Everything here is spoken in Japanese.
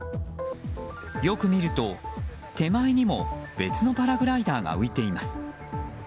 よく見ると、手前にも別のパラグライダーが浮いています。